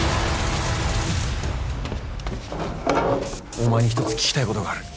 お前に一つ聞きたい事がある。